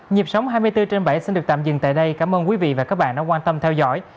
nhịp sống hai mươi bốn trên bảy xin được tạm dừng tại đây cảm ơn quý vị và các bạn đã quan tâm theo dõi